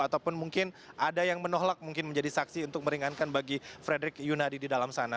ataupun mungkin ada yang menolak mungkin menjadi saksi untuk meringankan bagi frederick yunadi di dalam sana